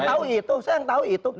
saya yang tahu itu